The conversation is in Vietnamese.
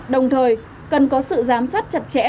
đồng thời cần có sự giám sát chặt chẽ